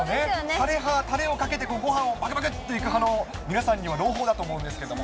たれ派、たれをかけて、ごはんをばくばくっといく派の皆さんには朗報だと思うんですけども。